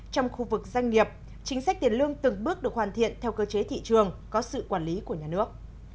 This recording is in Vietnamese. trong khu vực doanh nghiệp chính sách tiền lương từng bước được hoàn thiện theo cơ chế thị trường có sự quản lý của nhà nước